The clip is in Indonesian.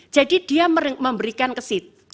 jadi dia memberikan ke sid